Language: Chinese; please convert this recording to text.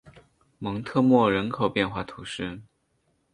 蒙特莫人口变化图示